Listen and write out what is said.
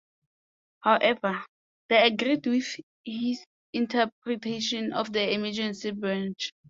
However, they agreed with his interpretation of the emergency branch.